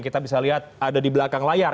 kita bisa lihat ada di belakang layar